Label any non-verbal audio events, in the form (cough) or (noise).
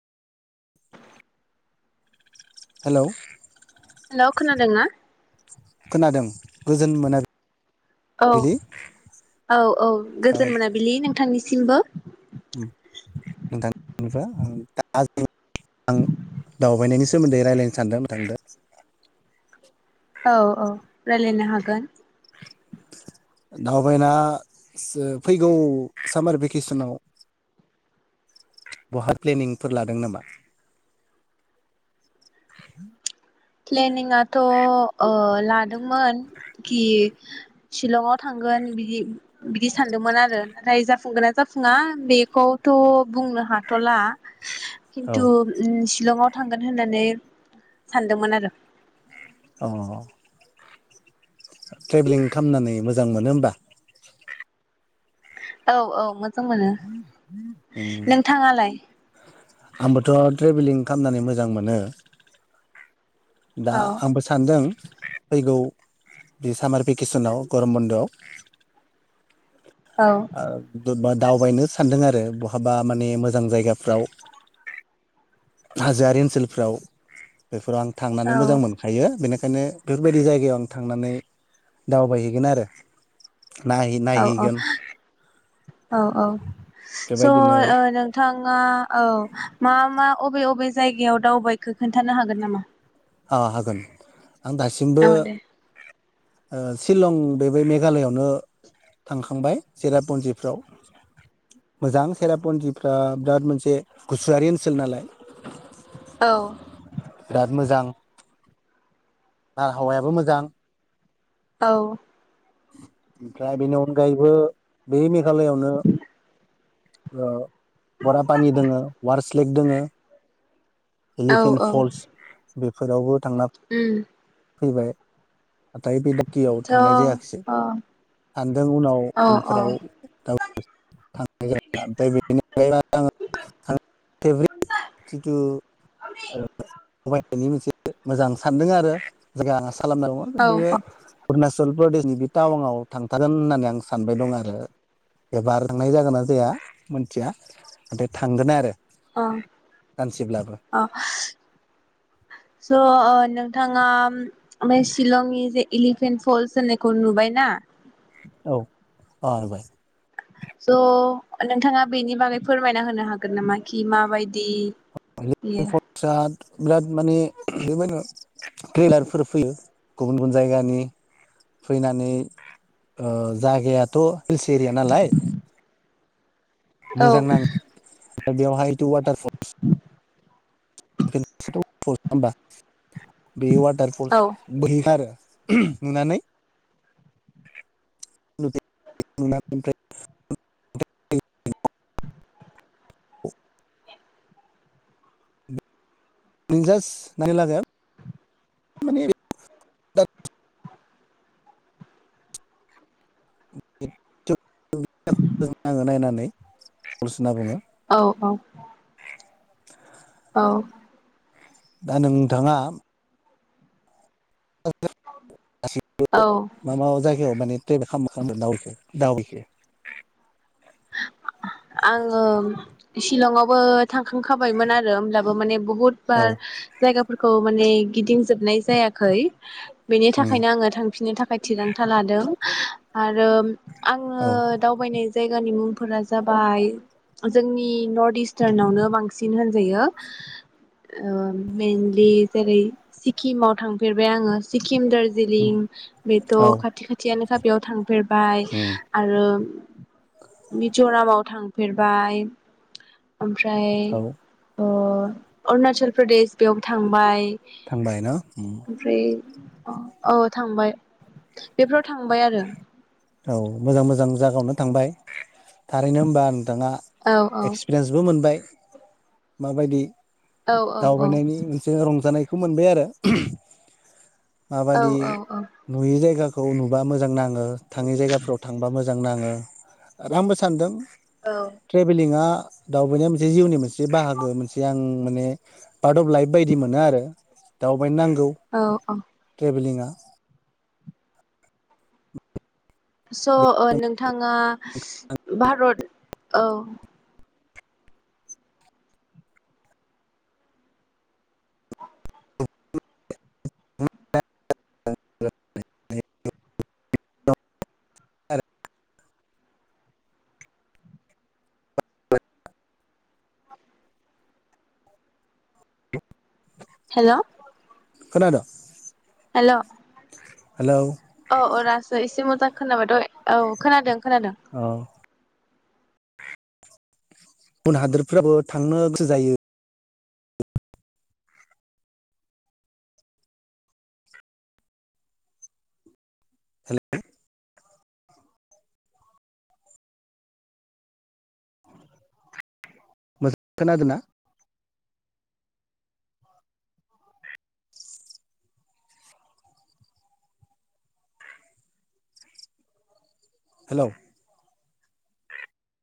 (inaudible) Hello hello खोनादों ना खोनादों गोजोन मोनाबिलि। औ औ औ ओ गोजोन मोनाबिलि नोंथांनिसि सिमबो (inaudible) आं दावबायनायनि स सोमोन्दै रायजलायनो सानदों थांदो। औ औ राय्लायनो हागोन दावबायबायना फैगौ सामार भेकेसनाव बहा प्लेनिंफोर लादों नामा। प्लेनिंआथ' लादोंमोन कि शिलंआव थांगोन बिदि बिदि सानदोंमोन आरो नाथाय जाफुंगोना जाफुङा बेखौथ' बुंनो हाथ'ला औ खिन्थु उम सिलंआव थांगोन होननानै सान दोंमोन आरो औ (inaudible) ट्रेभेलिं खालामनानै मोजां मोनो होमबा? औ औ मो जां मोनो उम नोंथाङालाय? आंबोथ' ट्रेभेलिं खामनानै मोजां मोनो। दा औ आंबो सानदों फैगौ बेे सामार भेकेसनाव गरम बन्द'आव औ ओ द दावबायनो सानदों आरो आरो बहाबा माने मोजां जायगाफ्राव हाजोआारि ओनसोलफ्राव बेफोराव आं थांनानै मोजां औ मोनखायो बेनि बेनिखायनो बेफोरबायदि जायगायाव आं थांनानै दावबायहैगोन आरो नायहै औ औ नायहैगोन औ औ स'ओ बेबायदिनो नोंथाङा औ। मा मा अबे अबे जायगायाव दावबायखो खोन्थानो हागोन नामा? औ हागोन आं दासिमबो औ दे ओ सिलं बै बे मेघालआवनो थांखांबाय सेरापन्जिफ्राव मोजां सेरापन्जिफ्रा बिराद मोनसे गुसुवरि ओनसोल नालाय औ बिराद मोजां बारहावायाबो मोजां। औ ओमफ्राय बेनि अनगायैबो बे मे मेघालय आवनो ओ बरापानि दोङो वार्स लेक दोङो (inaudible) औ एलिफेनट औ फल्स बेफोरावबो थांना उम फैबाय। नाथाय बे दा (inaudible) कि आव थ' थांनाय जायाखिसै अ औ सानदों उनाव औ उनफोराव दाव ओमफ्राय बेनि (unintelligible) आ जिथु मोनसे मोजां सानदों आरो (inaudible) खालामना (inaudible) औ बे (inaudible) (inaudible) प्रदेशनि बे टाउनाव थांथारागोन होननानै आं सानबाय दं आरो एबार थांनाय जागोन ना जाया मोनथिया नाथाय थांगोनना आरो। अ सानसेब्लाबो अ स' ओ नोंथाङा बे शलंनि जे एलिफेन्ट फल्स होननायखौ नुबायना। औ आरो (inaudible) स' नोंथाङा बेनि बागै फोरमायना होनो हागोन नामा कि माबायदि। बियो प्रसाद। बिराद माने बेबायदिनो ट्रलारफोर फैयो गुबुन गुबुन जायगानि फैनानै जायगायाथ' हिल्स एरिया नालाय। औ मोजां नां बेवहाय वाटारफल। होमबा। बे वाटारफल औ बोहैखारो। नुनानै ओमफ्राय। जों जास नायनो लागोन माने (unintelligible) (inaudible) आङो नायनानै (inaudible) होनना बुङो औ औ। औ। दा नोंथाङा। गासिबो औ मा मा जायगायाव माने। (inaudible) आङो सिशिलंआवबो। थांखांखाबायमोन आरो होमब्लाबो माने बहुत औ बार जायगा फोरखौ माने गिदिंजोबनाय जायाखै। बेनि उम थाखायनो आङो थांफिननो थाखाय थिरांथा लादों। आरो। आङो औ दावबायनाय। जायगानि मुंफोरा जाबाय जोंनि नर्थ इस्टार्नावनो बांसिन होनजायो। मेनलि जेरै। सिक्किमाव थांफेरबाय आङो। सिक्किम, दार्जिलिं बेथ' औ खाथि खाथियानोखा बेयाव थांफेरबाय उम आरो। थांफेरबाय। ओमफ्राय औ ओ। अरुणाचल प्रदेश बेयाव थांबाय। थांबाय न उम ओमफ्राय औ थांबाय बेफोराव थांबाय आरो। औ मोजां मोजां जायागायावनो थांबाय थारैनो हबा आं नोथाङा औ औ एक्सपिरियेनसबो मोनबाय माबायदि औ औ औ दावबायनायनि मोनसे रंजानाय खु मोनबाय आरो माबायदि औ नुयि जायगा खौ नुबा मोजां नाङो थाङै जायगाफ्राव थांबा मोजां मोजां नाङो आंबो सानदों औ ट्रेभेलिंआ दावबायनाय मोनसे जिउनि मोनसे बाहागो मोनसे आं माने पार्ट अफ लाइफ बायदि मोनो आरो दाउ (inaudible) नांगौ औ औ ट्रेभेलिंआ स' बे नोंथाङा भारत औ हेल' खोनादो एल'। अ अ राज एसे मोजां खोनाबाथ' औ खोनादों। खोनादों औ बुन हादोरफोराबो थांनो गोसो जायो हेलो। मोजां खोनादों ना? हेलौ